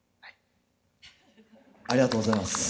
ありがとうございます。